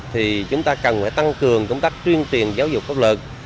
thì chúng ta cần phải tăng cường công tác chuyên truyền giáo dục pháp lực